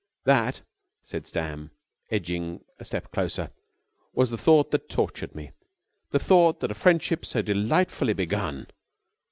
"That," said Sam, edging a step closer, "was the thought that tortured me, the thought that a friendship so delightfully begun...."